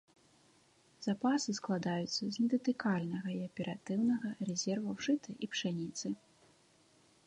Запасы складаюцца з недатыкальнага і аператыўнага рэзерваў жыта і пшаніцы.